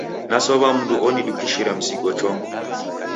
Nasow'a mndu onidukishira msigo chongo.